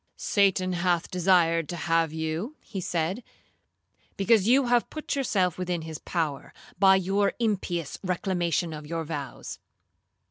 'Satan hath desired to have you,' he said, 'because you have put yourself within his power, by your impious reclamation of your vows.